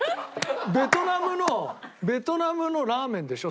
ベトナムのベトナムのラーメンでしょ？